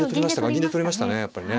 銀で取りましたねやっぱりね。